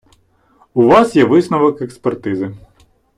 У вас є висновок експертизи.